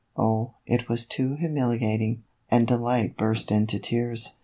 Oh, it was too humili ating! and Delight burst into tears.